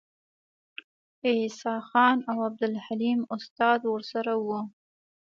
عیسی خان او عبدالحلیم استاد ورسره وو.